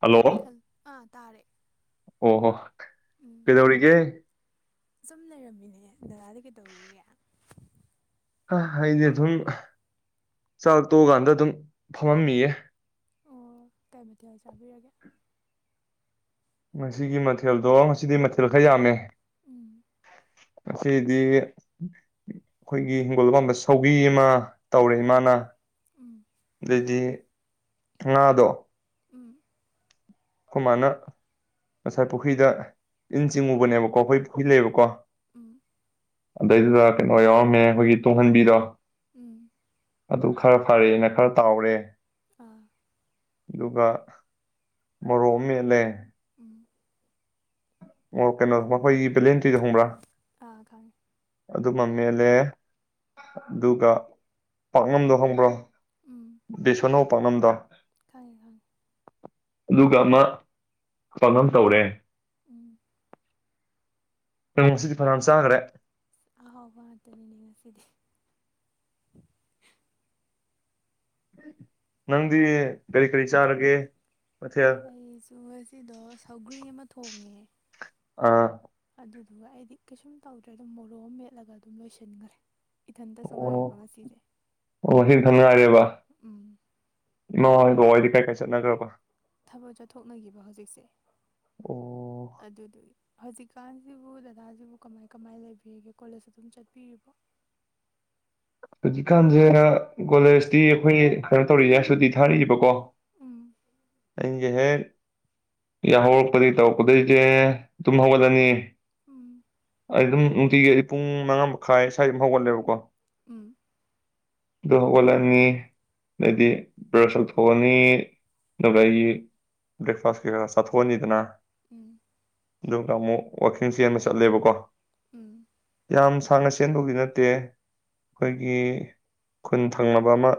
Hello ꯍꯜ ꯑꯥ ꯇꯥꯔꯦ ꯑꯣꯍꯣ ꯎꯝ ꯀꯩꯗꯧꯔꯤꯒꯦ ꯁꯨꯝ ꯂꯩꯔꯝꯃꯤꯅꯦ ꯗꯗꯥꯗꯤ ꯀꯩꯇꯧꯔꯤꯒꯦ ꯑ ꯑꯩꯗꯤ ꯑꯗꯨꯝ ꯆꯥꯛ ꯇꯣꯛꯑꯀꯥꯟꯗ ꯑꯗꯨꯝ ꯐꯝꯃꯝꯃꯤꯌꯦ ꯑꯣ ꯀꯩ ꯃꯊꯦꯜ ꯆꯥꯕꯤꯔꯒꯦ ꯉꯁꯤꯒꯤ ꯃꯊꯦꯜꯗꯣ ꯉꯁꯤꯗꯤ ꯃꯊꯦꯜ ꯈꯔ ꯌꯥꯝꯃꯦ ꯎꯝ ꯉꯥꯁꯤꯗꯤ ꯑꯩꯈꯣꯏꯒꯤ ꯍꯤꯡꯒꯣꯜ ꯄꯝꯕ ꯁꯧꯒꯤ ꯑꯃ ꯇꯧꯔꯦ ꯎꯝ ꯏꯃꯥꯅ ꯎꯝ ꯑꯗꯩꯗꯤ ꯉꯥꯗꯣ ꯎꯝ ꯈꯣꯏꯃꯥꯅ ꯉꯁꯥꯏ ꯄꯨꯈ꯭ꯔꯤꯗ ꯏꯟ ꯆꯤꯡꯉꯨꯕꯅꯦꯕꯀꯣ ꯑꯩꯈꯣꯏ ꯄꯨꯈ꯭ꯔꯤ ꯂꯩꯕꯀꯣ ꯎꯝ ꯑꯗꯩꯗꯨꯗ ꯀꯩꯅꯣ ꯌꯥꯎꯔꯝꯃꯦ ꯑꯩꯈꯣꯏꯒꯤ ꯇꯨꯡꯍꯟꯕꯤꯗꯣ ꯎꯝ ꯈꯔ ꯐꯔꯦꯅ ꯈꯔ ꯇꯥꯎꯔꯦ ꯑꯥ ꯑꯗꯨꯒ ꯃꯔꯣꯛ ꯑꯝ ꯃꯦꯠꯂꯦ ꯎꯝ ꯑꯣ ꯀꯩꯅꯣ ꯃꯈꯣꯏꯒꯤ ꯚꯦꯂꯦꯟꯇꯤꯗ ꯈꯪꯕ꯭ꯔꯥ ꯑꯥ ꯈꯪꯉꯦ ꯑꯗꯨꯃ ꯃꯦꯜꯂꯦ ꯑꯗꯨꯒ ꯄꯥꯛꯅꯝꯗꯣ ꯈꯪꯕ꯭ꯔꯣ ꯎꯝ ꯕꯤꯁꯣꯟꯅꯣ ꯄꯥꯛꯅꯝꯗ ꯈꯪꯉꯦ ꯈꯪꯉꯦ ꯑꯗꯨꯒ ꯑꯃ ꯄꯥꯡꯅꯝ ꯇꯧꯔꯦ ꯎꯝ ꯉꯁꯤꯗꯤ ꯐꯅꯥꯌꯥꯟ ꯆꯥꯒ꯭ꯔꯦ ꯑꯍꯥꯎꯕ ꯉꯥꯛꯇꯅꯤꯅꯦ ꯉꯁꯤꯗꯤ ꯅꯪꯗꯤ ꯀꯔꯤ ꯀꯔꯤ ꯆꯥꯔꯒꯦ ꯃꯊꯦꯜ ꯑꯩꯁꯨ ꯉꯁꯤꯗꯣ ꯁꯧꯒ꯭ꯔꯤ ꯑꯃ ꯊꯣꯡꯉꯦ ꯑ ꯑꯗꯨꯗꯨꯒ ꯑꯩꯗꯤ ꯀꯩꯁꯨꯝ ꯇꯧꯗ꯭ꯔꯦꯗ ꯑꯗꯨꯝ ꯃꯣꯔꯣꯛ ꯃꯦꯠꯂꯒ ꯑꯗꯨꯝ ꯂꯣꯏꯁꯤꯟꯒ꯭ꯔꯦ ꯑꯣ ꯑꯣ ꯁꯤ ꯉꯥꯏꯔꯦꯕ ꯎꯝ ꯏꯃꯥ ꯍꯣꯏ ꯕꯕꯥ ꯍꯣꯏꯗꯤ ꯀꯥꯏ ꯀꯥꯏ ꯆꯠꯅꯒ꯭ꯔꯕ ꯊꯕꯛ ꯆꯠꯊꯣꯛꯅꯒꯤꯕ ꯍꯧꯖꯤꯛꯁꯦ ꯑꯣ ꯑꯗꯨꯗꯨꯒꯤ ꯍꯧꯖꯤꯛꯀꯥꯟꯖꯤꯕꯨ ꯗꯗꯥꯖꯤꯕꯨ ꯀꯃꯥꯏ ꯀꯃꯥꯏ ꯂꯩꯕꯤꯔꯤꯒꯦ ꯀꯣꯂꯦꯖ ꯑꯗꯨꯝ ꯆꯠꯄꯤꯔꯤꯕꯣ ꯍꯧꯖꯤꯛꯀꯥꯟꯁꯦ ꯀꯣꯂꯦꯖꯇꯤ ꯑꯩꯈꯣꯏ ꯀꯩꯅꯣ ꯇꯧꯔꯤꯌꯦ ꯍꯥꯏ ꯁꯨꯇꯤ ꯊꯥꯔꯤꯌꯦꯕꯀꯣ ꯎꯝ ꯑꯩ ꯍꯦꯛ ꯌꯥ ꯍꯧꯔꯛꯄꯗꯩ ꯇꯧꯕꯒꯩꯖꯦ ꯇꯨꯝ ꯍꯧꯒꯠꯂꯅꯤ ꯎꯝ ꯑꯗꯨꯝ ꯎꯝ ꯅꯨꯡꯇꯤꯒꯤ ꯄꯨꯡ ꯃꯉꯥ ꯃꯈꯥꯏ ꯁ꯭ꯋꯥꯏꯗ ꯑꯗꯨꯝ ꯍꯧꯒꯠꯂꯦꯕꯀꯣ ꯎꯝ ꯑꯗꯨ ꯍꯧꯒꯠꯂꯅꯤ ꯑꯗꯩꯗꯤ ꯕꯔꯖ ꯇꯧꯊꯣꯛꯑꯅꯤ ꯑꯗꯨꯒ ꯑꯩꯒꯤ ꯕ꯭ꯔꯦꯛꯐꯥꯁ ꯀꯩꯀꯥ ꯆꯥꯊꯣꯛ ꯑꯅꯤꯗꯅ ꯎꯝ ꯑꯗꯨꯒ ꯑꯃꯨꯛ ꯋꯥꯜꯀꯤꯡ ꯆꯦꯟꯕ ꯆꯠꯂꯦꯕꯀꯣ ꯎꯝ ꯁꯥꯥꯡꯅ ꯆꯦꯟꯕꯕꯨꯒꯤ ꯅꯠꯇꯦ ꯑꯩꯈꯣꯏꯒꯤ ꯈꯨꯟ ꯊꯪꯅꯕ ꯑꯃ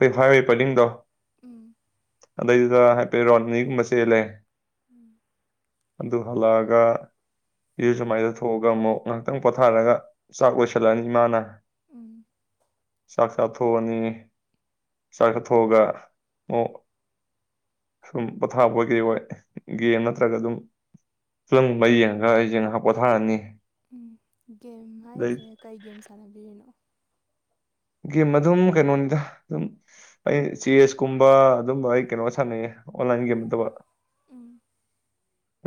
ꯑꯩꯈꯣꯏ ꯍꯥꯏꯋꯦ ꯄꯔꯤꯡꯗꯣ ꯎꯝ ꯑꯗꯩꯗꯨꯗ ꯍꯥꯏꯐꯦꯠ ꯔꯥꯎꯟ ꯑꯅꯤꯒꯨꯝꯕ ꯆꯦꯜꯂꯦ ꯎꯝ ꯑꯗꯨ ꯍꯜꯂꯛꯑꯒ ꯏꯔꯨꯖ ꯃꯥꯏꯊ ꯊꯣꯛꯑꯒ ꯑꯃꯨꯛ ꯉꯥꯏꯍꯥꯛꯇꯪ ꯄꯣꯊꯥꯔꯒ ꯆꯥꯛ ꯂꯣꯏꯁꯤꯜꯂꯅꯤ ꯏꯃꯥꯅ ꯎꯝ ꯆꯥꯛ ꯆꯥꯊꯣꯛꯑꯅꯤ ꯆꯥꯛ ꯆꯥꯊꯣꯛꯑꯒ ꯑꯃꯨꯛ ꯁꯨꯝ ꯄꯣꯊꯥꯕꯣꯏ ꯀꯩ ꯑꯣꯏ ꯒꯦꯝ ꯅꯠꯇ꯭ꯔꯒ ꯑꯗꯨꯝ ꯐꯤꯂꯝ ꯒꯨꯝꯕ ꯌꯦꯡ ꯎꯝ ꯒꯦꯝ ꯑꯗꯩ ꯍꯥꯏꯁꯦ ꯀꯩ ꯒꯦꯝ ꯁꯥꯟꯅꯕꯤꯔꯤꯅꯣ ꯒꯦꯝ ꯑꯗꯨꯝ ꯀꯩꯅꯣꯅꯤꯗ ꯑꯗꯨꯝ ꯑꯩ ꯆꯦꯁꯀꯨꯝꯕ ꯑꯗꯨꯝꯕ ꯑꯩ ꯀꯩꯅꯣ ꯎꯝ ꯁꯥꯟꯅꯩꯌꯦ ꯑꯣꯟꯂꯥꯏꯟ ꯒꯦꯝ ꯅꯠꯇꯕ ꯎꯝ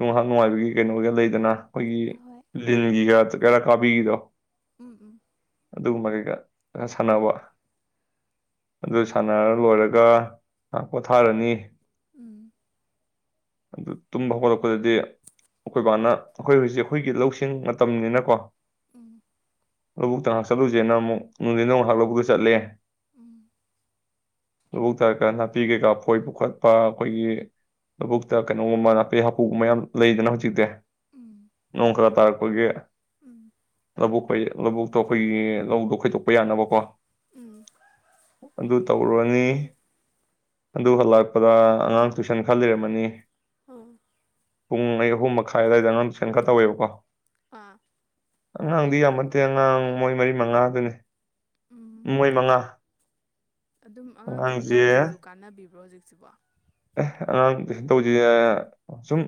ꯉꯍꯥꯛ ꯅꯨꯡꯉꯥꯏꯕꯒꯤ ꯀꯩꯅꯣꯒ ꯂꯩꯗꯅ ꯑꯩꯈꯣꯏꯒꯤ ꯍꯣꯏ ꯂꯤꯟꯒꯤꯒ ꯀꯩꯔꯥꯛ ꯀꯥꯕꯤꯒꯤꯗꯣ ꯎꯝ ꯎꯝ ꯑꯗꯨꯒꯨꯝꯕ ꯀꯩꯀꯥ ꯁꯥꯟꯅꯕ ꯑꯗꯨ ꯁꯥꯟꯅꯔ ꯂꯣꯏꯔꯒ ꯉꯍꯥꯛ ꯄꯣꯊꯥꯔꯅꯤ ꯎꯝ ꯑꯗꯨ ꯇꯨꯝꯕ ꯍꯧꯒꯠꯂꯛꯄꯗꯗꯤ ꯑꯩꯈꯣꯏꯕꯥꯅ ꯑꯩꯈꯣꯏ ꯍꯧꯖꯤꯛ ꯑꯩꯈꯣꯏꯒꯤ ꯂꯧꯁꯤꯡ ꯃꯇꯝꯅꯤꯅꯀꯣ ꯎꯝ ꯂꯧꯕꯨꯛꯇ ꯉꯍꯥꯛ ꯆꯠꯂꯨꯁꯦꯅ ꯑꯃꯨꯛ ꯅꯨꯡꯗꯤꯟꯗ ꯑꯃꯨꯛ ꯉꯍꯥꯞ ꯂꯧꯕꯨꯛꯇ ꯆꯠꯂꯦ ꯎꯝ ꯂꯧꯕꯣꯛ ꯇꯥꯔꯒ ꯅꯥꯄꯤ ꯀꯩꯀꯥ ꯐꯣꯏꯕ ꯈꯣꯠꯄ ꯑꯈꯣꯏꯒꯤ ꯂꯕꯨꯛꯇ ꯀꯩꯅꯣꯒꯨꯝꯕ ꯅꯥꯄꯤ ꯍꯥꯄꯨꯒꯨꯝꯕ ꯌꯥꯝ ꯂꯩꯗꯅ ꯍꯧꯖꯤꯛꯇꯤ ꯎꯝ ꯅꯣꯡꯈꯔ ꯇꯥꯔꯛꯄꯒꯤ ꯎꯝ [unintelligible] ꯂꯧꯕꯨꯛꯇꯣ ꯑꯩꯈꯣꯏꯒꯤ ꯂꯧꯗꯣ ꯈꯣꯏꯗꯣꯛꯄ ꯌꯥꯅꯕꯀꯣ ꯎꯝ ꯑꯗꯨ ꯇꯧꯔꯨꯔꯅꯤ ꯑꯗꯨ ꯍꯜꯂꯛꯄꯗ ꯑꯉꯥꯡ ꯇꯨꯏꯁꯟ ꯈꯔ ꯂꯩꯔꯝꯃꯅꯤ [unintelligible] ꯑꯣ ꯄꯨꯡ ꯑꯩ ꯑꯍꯨꯝ ꯃꯈꯥꯏ ꯑꯗꯨꯋꯥꯏꯗ ꯑꯉꯥꯡ ꯇꯨꯏꯁꯟ ꯈꯔ ꯇꯧꯋꯦꯕꯀꯣ ꯑꯥ ꯑꯉꯥꯡꯗꯤ ꯌꯥꯝꯕꯇꯦ ꯑꯉꯥꯡ ꯃꯣꯏ ꯃꯔꯤ ꯃꯉꯥꯗꯅꯤ ꯎꯝ ꯃꯣꯏ ꯃꯉꯥ ꯑꯗꯨꯝ ꯑꯉꯥꯡ ꯇꯨꯏꯁꯟ ꯑꯉꯥꯡꯁꯦ ꯇꯧꯕꯁꯤꯁꯨ [unintelligible] ꯑꯉꯥꯡ ꯇꯨꯏꯁꯟ ꯇꯧꯕꯥꯖꯦ ꯁꯨꯝ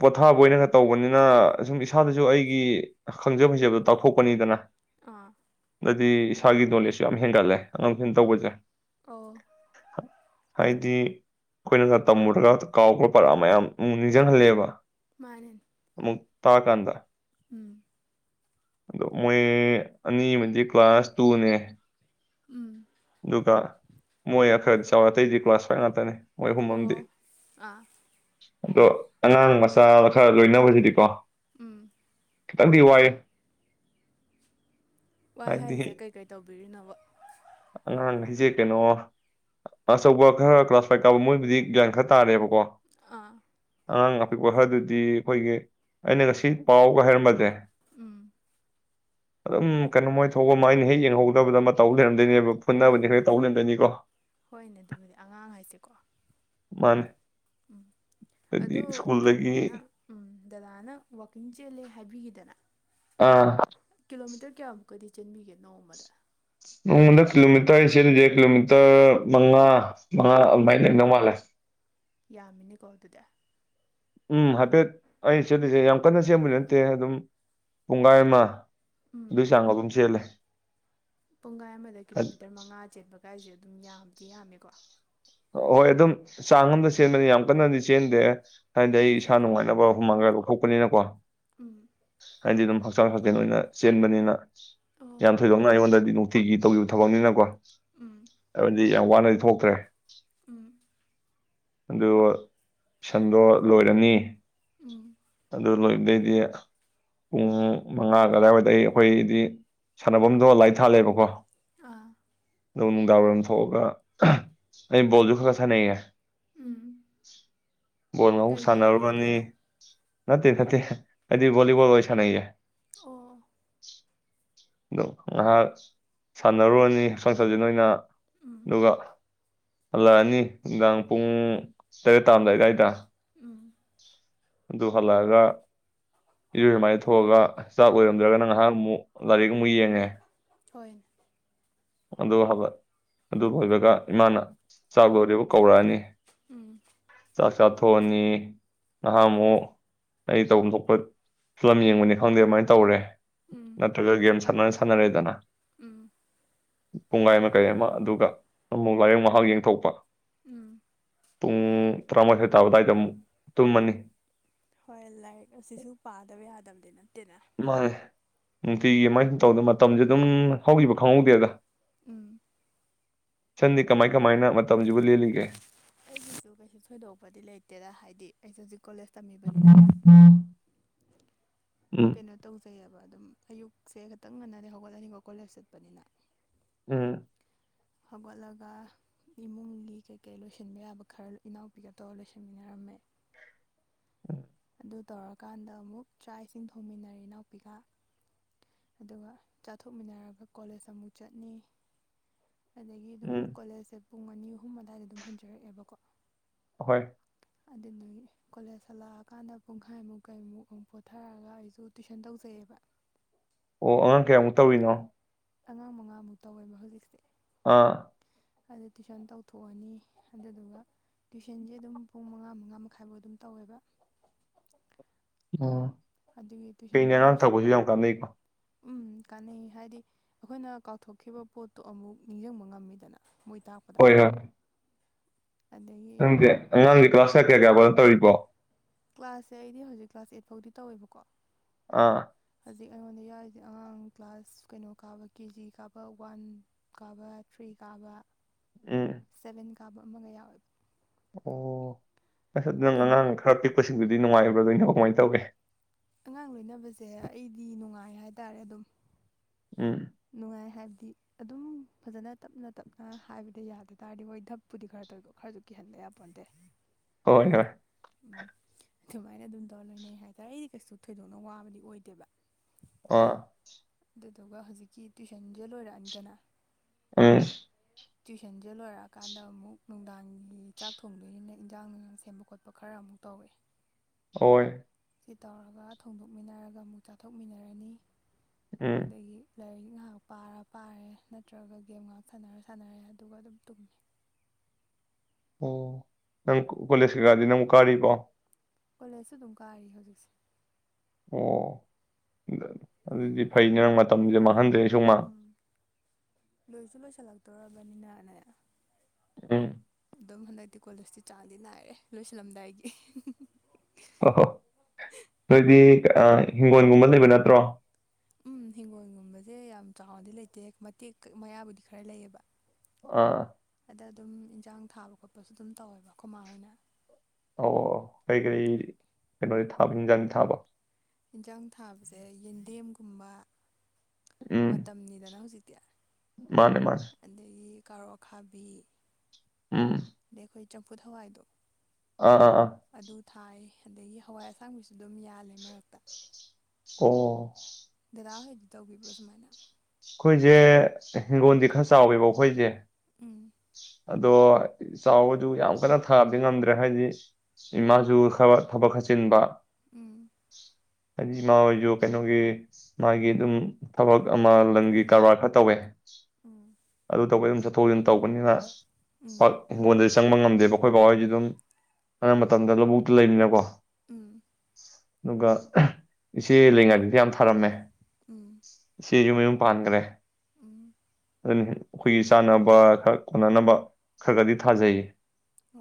ꯄꯣꯊꯥꯕ ꯑꯣꯏꯅꯒ ꯇꯧꯕꯅꯤꯅ ꯁꯨꯝ ꯏꯁꯥꯗꯁꯨ ꯑꯩꯒꯤ ꯈꯪꯖ ꯍꯩꯖꯕꯗꯣ ꯇꯥꯛꯊꯣꯛꯄꯅꯤꯗꯅ ꯑꯥ ꯑꯗꯤ ꯏꯁꯥꯒꯤ ꯅꯣꯂꯦꯖꯁꯨ ꯌꯥꯝ ꯍꯦꯟꯒꯠꯂꯦ ꯑꯉꯥꯡ ꯇꯨꯏꯁꯟ ꯇꯧꯕꯖꯦ ꯑꯣ ꯍꯥꯏꯗꯤ ꯑꯈꯣꯏꯅꯒ ꯇꯝꯃꯨꯔꯒ ꯀꯥꯎꯈ꯭ꯔ ꯄꯔꯥ ꯃꯌꯥꯝ ꯑꯃꯨꯛ ꯅꯤꯡꯖꯪꯍꯜꯂꯦꯕ ꯃꯥꯅꯤ ꯇꯥ ꯀꯥꯟꯗ ꯎꯝ ꯑꯗꯣ ꯃꯣꯏ ꯑꯅꯤꯃꯗꯤ ꯀ꯭ꯂꯥꯁ ꯇꯨꯅꯦ ꯎꯝ ꯑꯗꯨꯒ ꯃꯣꯏ ꯈꯔ ꯆꯥꯎ ꯑꯇꯩꯗꯤ ꯀ꯭ꯂꯥꯁ ꯐꯥꯏꯚ ꯉꯥꯛꯇꯅꯤ ꯃꯣꯏ ꯑꯍꯨꯝ ꯑꯃꯗꯤꯗꯤ ꯑꯣ ꯑꯥ ꯑꯗꯣ ꯑꯉꯥꯡ [unintelligible] ꯈꯔ ꯂꯣꯏꯅꯕꯁꯤꯗꯤꯀꯣ ꯎꯝ ꯈꯤꯇꯪꯗꯤ ꯋꯥꯏꯌꯦ ꯋꯥꯏ ꯍꯥꯏꯁꯦ ꯀꯩꯀꯩ ꯇꯧꯕꯤꯔꯤꯅꯣꯕ ꯁꯦ ꯀꯩꯅꯣ ꯑꯆꯧꯕ ꯈꯔ ꯀ꯭ꯂꯥꯁ ꯐꯥꯏꯚ ꯀꯥꯕ ꯃꯣꯏꯕꯨꯗꯤ ꯒ꯭ꯌꯥꯟ ꯈꯔ ꯇꯥꯔꯦꯕ ꯑꯥ ꯑꯉꯥꯡ ꯑꯄꯤꯛꯄ ꯈꯔꯗꯨꯗꯤ ꯑꯈꯣꯏꯒꯤ ꯑꯩꯅꯒ ꯁꯤ ꯄꯥꯎꯒ ꯍꯥꯏꯔꯝ [unintelligible] ꯎꯝ ꯑꯗꯨꯝ ꯀꯩꯅꯣꯃꯣꯏ ꯊꯣꯛꯄꯃꯥ ꯏꯩꯅ ꯍꯦꯛ ꯌꯦꯡꯍꯧꯗꯕꯗ ꯑꯃ ꯇꯧ ꯂꯩꯔꯝ ꯃꯥꯅꯤꯅꯦ ꯍꯣꯏꯅꯦ ꯑꯗꯨꯕꯨꯗꯤ ꯑꯉꯥꯡ ꯍꯥꯏꯁꯦꯀꯣ ꯃꯥꯅꯦ ꯎꯝ ꯑꯗꯨꯗꯤ ꯑꯗꯣ ꯁ꯭ꯀꯨꯜꯗꯒꯤ ꯀꯩꯅꯣꯅ ꯎꯝ ꯗꯗꯥꯅ ꯋꯥꯛꯀꯤꯡ ꯆꯦꯜꯂꯦ ꯍꯥꯏꯕꯤꯒꯤ ꯗꯥꯅ ꯑꯥ ꯀꯤꯂꯣꯃꯤꯇꯔ ꯀꯌꯥꯃꯨꯛꯀꯗꯤ ꯆꯟꯕꯤꯒꯦ ꯅꯣꯡꯃꯗ ꯎꯗ ꯀꯂꯣꯃꯤꯇꯔ ꯑꯩꯟ ꯆꯦꯂꯤꯁꯦ ꯀꯂꯣꯃꯤꯇꯔ ꯃꯉꯥ ꯃꯉꯥ ꯑꯦꯗꯨꯃꯥꯏꯟ ꯂꯩꯔꯝꯗꯧ ꯃꯥꯜꯂꯦ ꯌꯥꯝꯃꯤꯅꯤꯀꯣ ꯑꯗꯨꯗ ꯎꯝ ꯍꯥꯏꯐꯦꯠ ꯑꯩ ꯆꯦꯠꯂꯤꯁꯦ ꯌꯥꯝ ꯀꯟꯅ ꯁꯦꯝꯦꯟꯕꯗꯤ ꯅꯠꯇꯦ ꯑꯗꯨꯝ ꯄꯨꯡꯈꯥꯏ ꯑꯃ ꯑꯗꯨꯏ ꯆꯥꯡ ꯑꯗꯨꯝ ꯆꯦꯜꯂꯦ ꯄꯨꯡꯈꯥꯏ ꯑꯃꯗ ꯀꯤꯂꯣꯃꯤꯇꯔ ꯃꯉꯥ ꯆꯦꯟꯕ ꯀꯥꯏꯁꯦ ꯑꯗꯨꯝ ꯌꯥꯝꯗꯤ ꯌꯥꯝꯃꯦꯀꯣ ꯍꯣꯏ ꯑꯗꯨꯝ ꯆꯥꯡ ꯑꯃꯗ ꯆꯦꯟꯕꯅꯤ ꯌꯥꯝ ꯀꯟꯅꯗꯤ ꯆꯦꯟꯗꯦ ꯍꯥꯏꯅꯗꯤ ꯑꯩ ꯎꯝ ꯏꯁꯥ ꯅꯨꯡꯉꯥꯏꯅꯕ ꯃꯐꯝ ꯃꯒ ꯂꯧꯊꯣꯛꯄꯅꯤꯅꯀꯣ ꯎꯝ ꯍꯥꯏꯗꯤ ꯑꯗꯨꯝ ꯐ ꯍꯛꯆꯥꯡ ꯁꯥꯖꯦꯜ ꯑꯣꯏꯅ ꯆꯦꯟꯕꯅꯤꯅ ꯑꯣ ꯌꯥꯝ ꯊꯣꯏꯗꯣꯛꯅ ꯑꯩꯉꯣꯟꯗꯗꯤ ꯅꯨꯡꯇꯤꯒꯤ ꯇꯧꯒꯤꯕ ꯊꯕꯛꯅꯤꯅꯀꯣ ꯎꯝ ꯑꯗꯨꯗꯤ ꯀꯌꯥꯝ ꯋꯥꯅꯗꯤ ꯊꯣꯛꯇ꯭ꯔꯦ ꯎꯝ ꯑꯗꯨ ꯇꯁꯟꯗꯣ ꯂꯣꯏꯔꯅꯤ ꯎꯝ ꯑꯗꯨ ꯂꯣꯏꯕꯗꯩꯗꯤ ꯄꯨꯡ ꯃꯉꯥ ꯑꯗꯥꯏꯋꯥꯗ ꯑꯩꯈꯣꯏꯗꯤ ꯁꯥꯟꯅꯐꯝꯗꯣ ꯂꯥꯏ ꯊꯥꯜꯂꯦꯕꯀꯣ ꯑꯥ ꯑꯗꯨ ꯅꯨꯪꯗꯥꯪꯋꯥꯏꯔꯝ ꯊꯣꯛꯑꯒ ꯑꯩ ꯕꯣꯜꯁꯨ ꯈꯔꯥ ꯈꯔꯥ ꯁꯟꯑꯩꯌꯦ ꯎꯝ ꯕꯣꯜ ꯑꯃꯨꯛ ꯀꯩ ꯕꯣꯜ ꯁꯥꯟꯅꯔꯨꯕꯅꯤ ꯑꯣꯏꯗꯣꯏꯅꯣ ꯅꯥꯇꯦ ꯅꯥꯇꯦ ꯑꯩꯗꯤ ꯕꯣꯂꯤꯕꯣꯜ ꯑꯣꯏꯟ ꯁꯥꯅꯩꯌꯦ [inaudible] ꯑꯣ ꯑꯗꯣ ꯉꯥꯏꯍꯥꯛ ꯁꯥꯟꯅꯔꯨꯔꯅꯤ ꯍꯛꯆꯥꯡ ꯁꯠꯁꯦ ꯅꯣꯏꯅ ꯎꯝ ꯑꯗꯨꯒ ꯍꯜꯂꯛꯑꯅꯤ ꯅꯨꯡꯗꯥꯡ ꯄꯨꯡ ꯇꯔꯦꯠ ꯇꯥꯔꯝꯗꯥꯏ ꯑꯗꯥꯏꯗ ꯎꯝ ꯑꯗꯨ ꯍꯜꯂꯛꯑꯒ ꯏꯔꯣꯏ ꯁꯨꯃꯥꯏꯅ ꯊꯣꯛꯑꯒ ꯆꯥꯛ ꯑꯣꯏꯔꯝꯗ꯭ꯔꯒꯅ ꯉꯥꯏꯍꯥꯛ ꯑꯃꯨꯛ ꯂꯥꯏꯔꯤꯛ ꯑꯃꯨꯛ ꯌꯦꯡꯉꯦ ꯍꯣꯏꯅꯦ ꯑꯗꯨ ꯑꯗꯨ ꯂꯣꯏꯕꯒ ꯏꯃꯥꯅ ꯆꯥꯛ ꯂꯣꯏꯔꯤ ꯀꯧꯔꯛꯑꯅꯤ ꯎꯝ ꯆꯥꯛ ꯆꯥꯊꯣꯛꯑꯅꯤ ꯅꯍꯥꯟꯃꯨꯛ ꯑꯩ ꯇꯧꯐꯝ ꯊꯣꯛꯄ ꯐꯤꯂꯝ ꯌꯦꯡꯕꯅꯤ ꯈꯪꯗꯦ ꯑꯗꯨꯃꯥꯏꯅ ꯇꯧꯔꯦ ꯎꯝ ꯅꯠꯇꯒ ꯒꯥꯪꯝ [unintelligible] ꯁꯥꯟꯅꯔꯗꯅ ꯎꯝ ꯄꯨꯡꯒꯥꯏ ꯑꯃ ꯀꯩ ꯑꯃ ꯑꯗꯨꯒ ꯑꯃꯨꯛ ꯃꯣꯕꯅ ꯑꯃꯨꯛ ꯉꯍꯥꯛ ꯌꯦꯡꯊꯣꯛꯄ ꯎꯝ ꯄꯨꯡ ꯇꯔꯥꯃꯊꯣꯏ ꯇꯥꯕꯥ ꯑꯗꯨꯋꯥꯏꯗ ꯑꯃꯨꯛ ꯇꯨꯝꯃꯅꯤ ꯍꯣꯏ ꯂꯥꯏꯛ ꯑꯁꯤꯁꯨ ꯄꯥꯗꯕ ꯌꯥꯗꯕꯅꯤ ꯃꯥꯅꯦ ꯅꯨꯡꯇꯤꯒꯤ ꯃꯃꯥꯏ ꯁꯨꯝ ꯇꯧꯗ ꯃꯇꯝꯁꯦ ꯑꯗꯨꯝ ꯍꯧꯈꯤꯕ ꯈꯪꯍꯧꯗꯦꯒ ꯎꯝ ꯆꯟꯗꯤ ꯀꯃꯥꯏ ꯀꯃꯥꯏꯅ ꯃꯇꯝꯁꯤꯕꯨ ꯂꯦꯜꯂꯤꯒꯦ ꯑꯩꯒꯤꯁꯨ ꯀꯩꯁꯨ ꯊꯣꯏꯗꯣꯛꯄꯗꯤ ꯂꯩꯇꯦꯗ ꯍꯥꯏꯗꯤ ꯑꯩꯁꯦ ꯍꯧꯖꯤꯛ ꯀꯣꯂꯦꯖ ꯇꯝꯃꯤꯕꯅꯤꯅꯅꯦ ꯎꯝ ꯀꯩꯅꯣ ꯇꯧꯖꯩꯑꯕ ꯑꯗꯨꯝ ꯑꯌꯨꯛꯁꯦ ꯈꯤꯇꯪ ꯉꯟꯅꯅꯤ ꯍꯧꯒꯠꯂꯅꯤꯀꯣ ꯀꯣꯂꯦꯖ ꯆꯠꯄꯅꯤꯅ ꯎꯝ ꯍꯧꯒꯠꯂꯒ ꯏꯃꯨꯡꯒꯤ ꯀꯩꯀꯩ ꯂꯣꯏꯁꯤꯟꯕ ꯌꯥꯕ ꯈꯔ ꯏꯅꯥꯎꯄꯤꯒ ꯇꯧꯔꯒ ꯂꯣꯏꯁꯤꯟꯃꯤꯟꯅꯔꯝꯃꯦ [inaudible] ꯑꯗꯨ ꯇꯧꯔꯀꯥꯟꯗ ꯑꯃꯨꯛ ꯆꯥꯛ ꯏꯁꯤꯡ ꯊꯣꯡꯃꯤꯟꯅꯔꯦ ꯏꯅꯥꯎꯄꯤꯒ ꯑꯗꯨꯒ ꯆꯥꯊꯣꯛꯃꯤꯟꯅꯔꯒ ꯀꯣꯂꯦꯖ ꯑꯃꯨꯛ ꯆꯠꯅꯤ ꯑꯗꯨꯒꯤ ꯑꯗꯨꯝ ꯎꯝ ꯀꯣꯂꯦꯖ ꯄꯨꯡ ꯑꯅꯤ ꯑꯍꯨꯝ ꯑꯗꯨꯋꯥꯏꯗ ꯑꯗꯨꯝ ꯍꯟꯖꯔꯛꯑꯦꯕꯀꯣ [inaudible] ꯑꯗꯨꯅ ꯀꯣꯂꯦꯖ ꯍꯜꯂꯛꯑꯀꯥꯟꯗ ꯄꯨꯡꯈꯥꯏꯃꯨꯛ ꯀꯩꯃꯨꯛ ꯑꯃꯨꯛ ꯄꯣꯊꯔꯛꯒ ꯑꯩꯁꯨ ꯇꯨꯏꯁꯟ ꯇꯧꯖꯩꯑꯕ ꯑꯣ ꯑꯉꯥꯡ ꯀꯌꯥꯃꯨꯛ ꯇꯧꯔꯤꯅꯣ ꯑꯉꯥꯡ ꯃꯉꯥꯃꯨꯛ ꯇꯧꯋꯦꯕ ꯍꯧꯖꯤꯛꯁꯦ ꯑꯥ ꯑꯗꯨ ꯇꯨꯏꯁꯟ ꯇꯧꯊꯣꯛꯑꯅꯤ ꯑꯗꯨꯗꯨꯒ ꯇꯨꯏꯁꯟꯁꯦ ꯑꯗꯨꯝ ꯄꯨꯡ ꯃꯉꯥ ꯃꯉꯥ ꯃꯈꯥꯏꯐꯥꯎ ꯑꯗꯨꯝ ꯇꯧꯋꯦꯕ ꯑꯣ ꯑꯗꯨꯒꯤ ꯐꯩꯅꯦ ꯇꯨꯏꯁꯟꯁꯦ ꯑꯉꯥꯡ ꯂꯣꯏꯁꯤ ꯇꯥꯛꯄꯁꯨ ꯌꯥꯝ ꯀꯥꯟꯅꯩꯀꯣ ꯎꯝ ꯀꯥꯟꯅꯩ ꯍꯥꯏꯗꯤ ꯑꯩꯈꯣꯏꯅ ꯀꯥꯎꯊꯣꯛꯈꯤꯕ ꯄꯣꯠꯇꯣ ꯑꯃꯨꯛ ꯅꯤꯡꯁꯤꯡꯕ ꯉꯝꯃꯤꯗꯅ ꯃꯣꯏ ꯇꯥꯛꯄꯗ [inaudible] ꯅꯪꯁꯦ ꯑꯉꯥꯡꯗꯤ ꯀ꯭ꯂꯥꯁ ꯀꯌꯥ ꯀꯌꯥ ꯀꯥꯕꯅꯣ ꯇꯧꯔꯤꯕꯣ ꯀ꯭ꯂꯥꯁꯁꯦ ꯑꯩꯗꯤ ꯍꯧꯖꯤꯛ ꯀ꯭ꯂꯥꯁ ꯑꯩꯠ ꯐꯥꯎꯗꯤ ꯇꯧꯋꯦꯕꯀꯣ ꯑꯥ ꯍꯧꯖꯤꯛ ꯑꯩꯉꯣꯟꯗ ꯌꯥꯎꯔꯤꯁꯦ ꯑꯉꯥꯡ ꯀ꯭ꯂꯥꯁ ꯀꯩꯅꯣ ꯀꯥꯕ ꯀꯦ ꯖꯤ ꯀꯥꯕ ꯋꯥꯟ ꯀꯥꯕ ꯊ꯭ꯔꯤ ꯀꯥꯕ ꯎꯝ ꯆꯥꯕ ꯑꯃꯒ ꯌꯥꯎꯋꯦꯕ ꯑꯣ ꯑꯁ ꯅꯪ ꯑꯗꯨꯝ ꯑꯉꯥꯡ ꯈꯔ ꯄꯤꯛꯄꯁꯤ ꯑꯗꯨꯗꯤ ꯅꯨꯡꯉꯥꯏꯕ꯭ꯔ ꯗꯣꯏꯗꯤ ꯀꯃꯥꯏꯅ ꯇꯧꯒꯦ ꯑꯉꯥꯡ ꯂꯣꯏꯅꯕꯁꯦ ꯑꯩꯗꯤ ꯅꯨꯡꯉꯥꯏ ꯍꯥꯏꯇꯥꯔꯦ ꯑꯗꯨꯝ ꯎꯝ ꯅꯨꯡꯉꯥꯏ ꯍꯥꯏꯕꯗꯤ ꯑꯗꯨꯝ ꯐꯖꯅ ꯇꯞꯅ ꯇꯞꯅ ꯍꯥꯏꯕꯗ ꯌꯥꯗ ꯇꯥꯔꯗꯤ ꯍꯣꯏ ꯙꯞꯄꯨꯗꯤ ꯈꯔ ꯇꯧꯕ ꯈꯔꯁꯨ ꯀꯤꯍꯟꯗ ꯌꯥꯄꯣꯟꯇꯦ ꯍꯣꯏ ꯍꯣꯏ ꯎꯝ ꯑꯗꯨꯃꯥꯏꯅ ꯑꯗꯨꯝ ꯇꯧꯔ ꯂꯣꯏꯅꯩ ꯍꯥꯏꯇꯥꯔꯦ ꯑꯩꯗꯤ ꯀꯩꯁꯨ ꯊꯣꯏꯗꯣꯛꯅ ꯋꯥꯕꯗꯤ ꯑꯣꯏꯗꯦꯕ ꯑꯥ ꯑꯗꯨꯗꯨꯒ ꯍꯧꯖꯤꯛꯀꯤ ꯇꯨꯋꯏꯁꯟꯁꯦ ꯂꯣꯏꯔꯛꯑꯅꯤꯗꯅ ꯎꯝ ꯇꯨꯏꯤꯁꯟꯁꯦ ꯂꯣꯏꯔꯛꯑꯀꯥꯟꯗ ꯑꯃꯨꯛ ꯅꯨꯡꯗꯥꯡꯒꯤ ꯆꯥꯛ ꯊꯣꯡꯕꯅꯤꯅ ꯏꯟꯖꯥꯡ ꯅꯨꯡꯁꯥꯡ ꯁꯦꯝꯕ ꯈꯣꯠꯄ ꯈꯔ ꯑꯃꯨꯛ ꯇꯧꯔꯦ ꯑꯣꯏ ꯁꯤ ꯇꯧꯔꯒ ꯊꯣꯡꯗꯣꯛꯃꯤꯟꯅꯔꯒ ꯑꯃꯨꯛ ꯆꯥꯊꯣꯛꯃꯤꯟꯅꯔꯅꯤ ꯎꯝ ꯑꯗꯒꯤ ꯂꯥꯏꯔꯤꯛ ꯉꯥꯏꯍꯥꯛ ꯄꯥꯔ ꯄꯥꯔꯦ ꯅꯠꯇ꯭ꯔꯒ ꯒꯦꯝ ꯉꯥꯏꯍꯥꯛ ꯁꯥꯟꯅꯔ ꯁꯥꯟꯅꯔꯦ ꯑꯗꯨꯒ ꯑꯗꯨꯝ ꯇꯨꯝꯃꯤ꯫ ꯑꯣ ꯅꯪ ꯀꯣꯂꯦꯁ ꯀꯩꯒꯥꯗꯤ ꯅꯪꯕꯨ ꯀꯥꯔꯤ ꯕꯣ? ꯀꯣꯂꯦꯖꯁꯨ ꯑꯗꯨꯝ ꯀꯥꯔꯤ ꯍꯧꯖꯤꯛꯁꯦ꯫ ꯑꯣ ꯫ꯑꯗꯨꯗꯤ ꯐꯩꯅꯦ ꯅꯪ ꯃꯇꯝꯁꯨ ꯃꯥꯡꯍꯟꯗꯔꯦ ꯎꯝ ꯂꯣꯏꯖꯨ ꯂꯣꯏꯁꯟ ꯆꯜꯂꯛꯇꯣꯔꯕꯅꯤꯅꯅꯦ ꯎꯝ ꯑꯗꯨꯝ ꯍꯟꯗꯛꯇꯤ ꯀꯣꯂꯦꯖꯇꯤ ꯆꯥꯡꯗꯤ ꯅꯥꯏꯔꯦ ꯂꯣꯏꯁꯤꯜꯂꯝꯗꯥꯏꯒꯤ ꯑꯣ ꯍꯣ ꯅꯣꯏꯗꯤ ꯑꯥ ꯍꯤꯡꯒꯣꯜꯒꯨꯝꯕ ꯂꯩꯕ ꯅꯠꯇ꯭ꯔꯣ? ꯎꯝ ꯍꯤꯡꯒꯣꯜꯒꯨꯝꯕꯖꯦ ꯌꯥꯝ ꯆꯥꯎꯅꯗꯤ ꯂꯩꯇꯦ ꯃꯇꯦꯛ ꯃꯌꯥꯕꯨꯗꯤ ꯈꯔ ꯂꯩꯌꯦꯕ꯫ ꯑꯥ ꯗ ꯑꯗꯨꯝ ꯏꯟꯖꯥꯡ ꯊꯥꯕ ꯈꯣꯠꯄꯁꯨ ꯑꯗꯨꯝ ꯇꯧꯋꯦꯕ ꯑꯩꯈꯣꯏ ꯃꯥ ꯍꯣꯏꯅ ꯑꯣ ꯀꯔꯤ ꯀꯔꯤ ꯀꯩꯅꯣꯗꯤ ꯊꯥꯕ ꯍꯦꯟꯖꯥꯡ ꯊꯥꯕ? ꯌꯦꯟꯖꯥꯡ ꯊꯥꯕꯁꯦ ꯌꯦꯟꯗꯦꯝꯒꯨꯝꯕ ꯎꯝ ꯃꯇꯝꯅꯤꯗꯅ ꯍꯧꯖꯤ ꯃꯥꯅꯦ ꯃꯥꯅꯦ ꯀꯥꯔꯣꯠ ꯑꯈꯥꯕꯤ ꯎꯝ ꯑꯗꯩ ꯑꯩꯈꯣꯏ ꯆꯝꯐꯨꯠ ꯍꯋꯥꯏꯗꯣ ꯑꯥ ꯑꯥ ꯑꯥ ꯑꯗꯨ ꯊꯥꯏ꯫ ꯑꯗꯒꯤ ꯍꯋꯥꯏ ꯑꯁꯥꯡꯕꯤꯁꯨ ꯑꯗꯨꯝ ꯌꯥꯜꯂꯦ ꯃꯔꯛꯇ꯫ ꯑꯣ ꯗꯗꯥ ꯍꯣꯏꯗꯤ ꯇꯧꯕꯤꯕꯨ꯭ꯔꯣ ꯁꯨꯃꯥꯏꯅ? ꯑꯩꯈꯣꯏꯖꯦ ꯍꯤꯡꯒꯣꯜꯗꯤ ꯈꯔ ꯆꯥꯎꯋꯦꯕ ꯑꯩꯈꯣꯏꯖꯦ ꯎꯝ ꯑꯗꯣ ꯆꯥꯎꯕꯗꯨ ꯌꯥꯝ ꯀꯟꯅ ꯊꯥꯕꯗꯤ ꯉꯝꯗ꯭ꯔꯦ ꯍꯥꯏꯕꯗꯤ ꯏꯃꯥꯁꯨ ꯈ ꯊꯕꯛ ꯈ ꯆꯤꯟꯕ [unintelligible] ꯍꯥꯏꯗꯤ ꯏꯃꯥ ꯍꯣꯏꯁꯨ ꯀꯩꯅꯣꯒꯤ ꯃꯥꯒꯤ ꯑꯗꯨꯝ ꯊꯕꯛ ꯑꯃ ꯂꯪꯒꯤ ꯀꯔꯕꯥꯔ ꯈꯔ ꯇꯧꯋꯦ꯫ ꯎꯝ ꯑꯗꯨ ꯇꯧꯕꯩ [unintelligible] ꯇꯧꯕꯅꯤꯅ [unintelligible] ꯆꯪꯕ ꯉꯝꯗꯦꯕ ꯑꯩꯈꯣꯏ ꯕꯥꯍꯣꯏꯗꯤ ꯑꯗꯨꯝ ꯑꯅꯝꯕ ꯃꯇꯝꯗ ꯂꯧꯕꯨꯛꯇ ꯂꯩꯃꯤꯅꯀꯣ꯫ ꯎꯝ ꯑꯗꯨꯒ ꯏꯆꯦ ꯂꯩꯉꯥꯏꯗꯗꯤ ꯌꯥꯝ ꯊꯥꯔꯝꯃꯦ꯫ ꯎꯝ ꯆꯦꯁꯨ ꯃꯌꯨꯝ ꯄꯥꯟꯈ꯭ꯔꯦ꯫ [inaudible] ꯑꯗꯨꯅꯤ ꯑꯩꯈꯣꯏꯒꯤ ꯆꯥꯅꯕ ꯈꯔ ꯀꯣꯟꯅꯅꯕ ꯈꯔꯒꯗꯤ ꯊꯥꯖꯩꯌꯦ꯫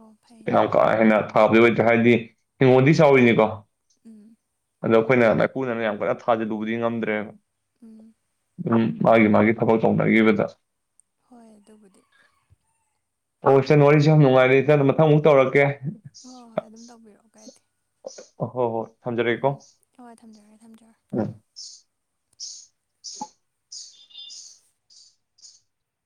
ꯑꯣ ꯐꯩꯅꯦ ꯌꯥꯝ ꯀꯥ ꯍꯦꯟꯅ ꯄꯥꯕꯗꯤ ꯂꯣꯏꯗ꯭ꯔꯤ ꯍꯥꯏꯗꯤ ꯅꯤꯎꯃꯣꯅꯤꯛꯁ ꯍꯧꯔꯤꯅꯤꯀꯣ [inaudible] ꯑꯗꯣ ꯑꯩꯈꯣꯏꯅ ꯃꯥꯏꯄꯨꯅꯅ ꯌꯥꯝ ꯀꯟꯅ ꯊꯥꯖꯤꯜꯂꯨꯕꯗꯤ ꯉꯝꯗ꯭ꯔꯦꯕ ꯎꯝ ꯑꯗꯨꯝ ꯃꯥꯒꯤ ꯃꯥꯒꯤ ꯊꯕꯛ ꯇꯧꯅꯈꯤꯕꯗ ꯍꯣꯏ ꯑꯗꯨꯕꯨꯗꯤ ꯑꯣ ꯏꯆꯟ ꯋꯥꯔꯤꯁꯨꯦ ꯌꯥꯝ ꯅꯨꯡꯉꯥꯏꯔꯤ ꯃꯊꯪ ꯑꯃꯨꯛ ꯇꯧꯔꯛꯀꯦ ꯍꯣꯏ ꯍꯣꯏ ꯑꯗꯨꯝ ꯇꯧꯕꯤꯔꯛꯑꯣ ꯀꯥꯏꯗꯦ ꯍꯣ ꯍꯣꯏ ꯊꯝꯖꯔꯒꯦꯀꯣ ꯎꯝ ꯍꯣꯏ ꯊꯝꯖꯔꯒꯦ ꯊꯝꯖꯔꯒꯦ ꯎꯝ [inaudible]